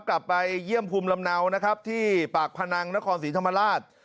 กลับไปเยี่ยมภูมิลำเนานะครับที่ปากพนังนครศรีธรรมราช